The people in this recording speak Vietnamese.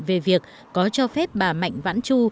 về việc có cho phép bà mạnh vãn chu